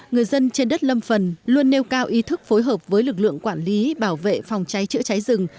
người dân trên đất lâm phần luôn nêu cao ý thức phối hợp với lực lượng quản lý bảo vệ phòng cháy chữa cháy rừng